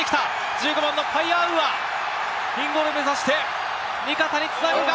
１５番のパイアアウア、インゴール目指して味方につなぐか。